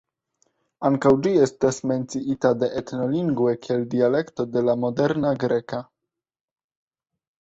Ankaŭ ĝi estas menciita de "Ethnologue" kiel dialekto de la moderna greka.